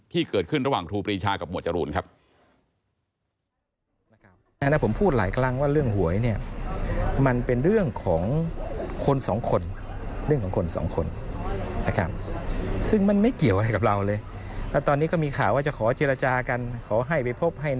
ที่เกิดขึ้นระหว่างครูปรีชากับหมวดจรูนครับ